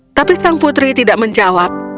tapi sang putri tidak menjawab